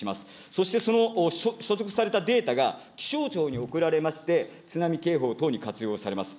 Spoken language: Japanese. そしてそのしょそくされたデータが、気象庁に送られまして、津波警報等に活用されます。